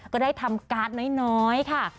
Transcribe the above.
ก็ได้ทำการ์ดน้อยค่ะ